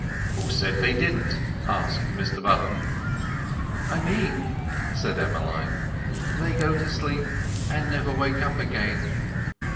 "Who said they didn't?" asked Mr Button. "I mean," said Emmeline, "they go to sleep and never wake up again.